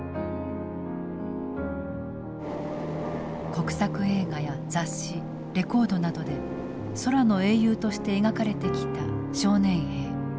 国策映画や雑誌レコードなどで空の英雄として描かれてきた少年兵。